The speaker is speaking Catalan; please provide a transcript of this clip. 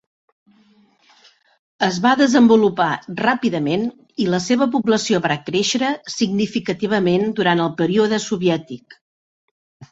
Es va desenvolupar ràpidament i la seva població va créixer significativament durant el període soviètic.